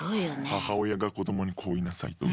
母親が子供にこう言いなさいとか。